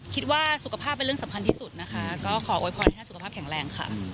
คิดว่าสุขภาพเป็นเรื่องสำคัญที่สุดนะคะก็ขอโวยพรให้ท่านสุขภาพแข็งแรงค่ะ